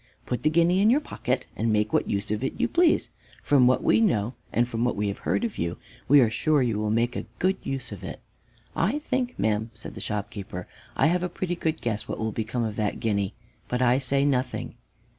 Put the guinea in your pocket and make what use of it you please. From what we know and from what we have heard of you, we are sure you will make a good use of it." "I think, madam," said the shopkeeper, "I have a pretty good guess what will become of that guinea, but I say nothing."